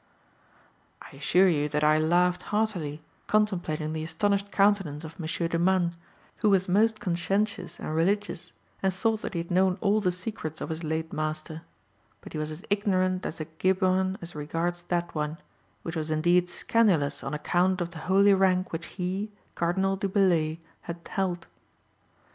"I assure you that I laughed heartily, contemplating the astonished countenance of Monsieur de Manne, who was most conscientious and religious, and thought that he had known all the secrets of his late master; but he was as ignorant as a Gibuan as regards that one, which was indeed scandalous on account of the holy rank which he (Cardinal du Bellay) had held.